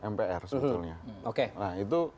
mpr sebetulnya nah itu